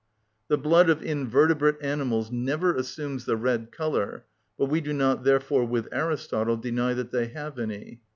The blood of invertebrate animals never assumes the red colour; but we do not therefore, with Aristotle, deny that they have any.